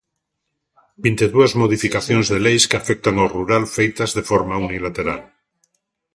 Vinte e dúas modificacións de leis que afectan ao rural feitas de forma unilateral.